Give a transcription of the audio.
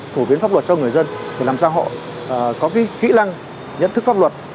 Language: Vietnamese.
phổ biến pháp luật cho người dân làm sao họ có kỹ lăng nhận thức pháp luật